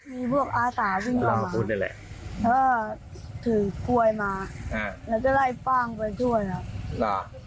มีพวกอาตาวิ่งกลับมาแล้วก็ถือควยมาแล้วก็ไล่ป้างไปทั่วแล้ว